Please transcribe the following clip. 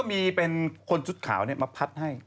ที่เป็นคนชุดข่าวเนี่ยมาพัดให้